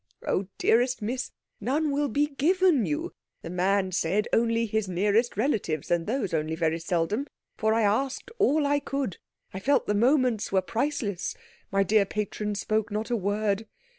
"Oh, dearest Miss, none will be given you. The man said only his nearest relatives, and those only very seldom for I asked all I could, I felt the moments were priceless my dear patron spoke not a word.